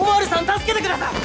助けてください！